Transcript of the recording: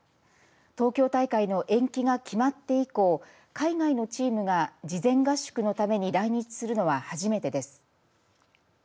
東京大会の延期が決まって以降海外のチームが事前合宿のために来日するのは初めてです。